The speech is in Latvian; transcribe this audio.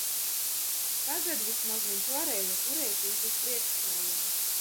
Tagad vismaz viņš varēja turēties uz priekškājām.